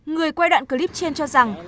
người quay đoạn clip trên cho rằng